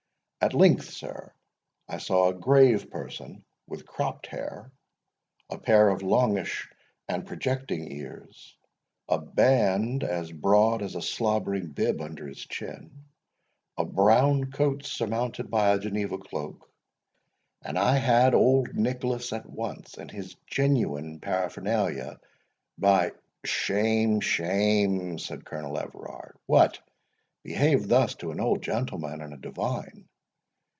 At length, sir, I saw a grave person with cropped hair, a pair of longish and projecting ears, a band as broad as a slobbering bib under his chin, a brown coat surmounted by a Geneva cloak, and I had old Nicholas at once in his genuine paraphernalia, by—." "Shame, shame!" said Colonel Everard. "What! behave thus to an old gentleman and a divine!"